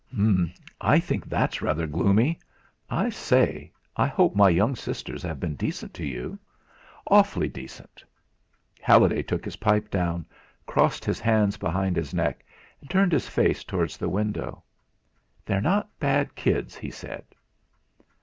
"H'm! I think that's rather gloomy. I say, I hope my young sisters have been decent to you?" "Awfully decent." Halliday put his pipe down, crossed his hands behind his neck, and turned his face towards the window. "They're not bad kids!" he said.